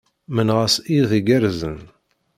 Mennaɣ-as iḍ igerrzen.